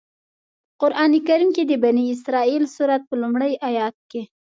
په قرآن کریم کې د بنی اسرائیل سورت په لومړي آيت کې.